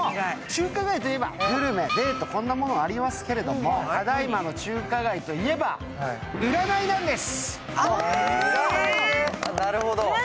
中華街といえばグルメ、デート、こんなものがありますけれども、ただいまの中華街といえば占いなんです。